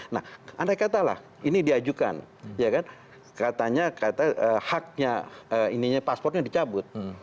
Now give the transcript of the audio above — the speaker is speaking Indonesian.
nah andai katalah ini diajukan katanya haknya pasportnya dicabut